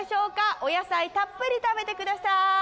お野菜たっぷり食べてくださーい。